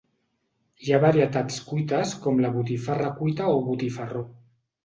Hi ha varietats cuites com la botifarra cuita o botifarró.